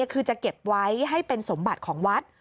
คือจะเก็บไว้ให้เป็นสมบัติของวัด